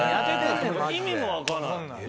意味も分かんない。